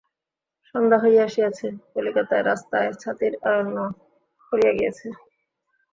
সন্ধ্যা হইয়া আসিয়াছে, কলিকাতার রাস্তায় ছাতির অরণ্য পড়িয়া গিয়াছে।